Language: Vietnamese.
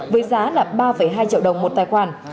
với giá là ba hai triệu đồng một tài khoản